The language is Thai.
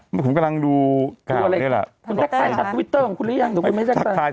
มันกำลังดูข่าวนี้แหละ